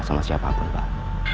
sama siapapun pak